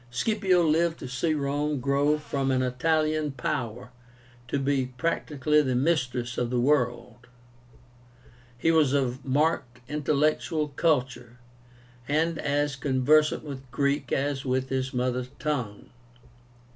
Scipio lived to see Rome grow from an Italian power to be practically the mistress of the world. He was of marked intellectual culture, and as conversant with Greek as with his mother tongue.